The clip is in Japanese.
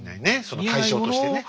その対象としてね。